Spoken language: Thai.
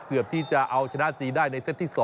เกือบที่จะเอาชนะจีนได้ในเซตที่๒